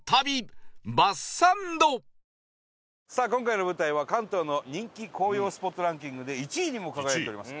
今回の舞台は関東の人気紅葉スポットランキングで１位にも輝いております。